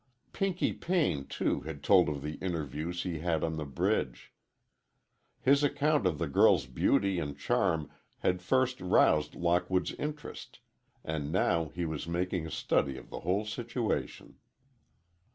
Pinky Payne, too, had told of the interview he had on the bridge. His account of the girl's beauty and charm had first roused Lockwood's interest, and now he was making a study of the whole situation.